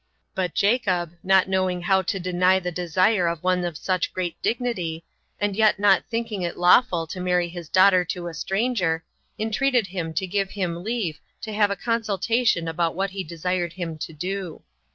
But Jacob, not knowing how to deny the desire of one of such great dignity, and yet not thinking it lawful to marry his daughter to a stranger, entreated him to give him leave to have a consultation about what he desired him to do.